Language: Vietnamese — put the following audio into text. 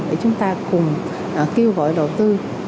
để chúng ta cùng kêu gọi đầu tư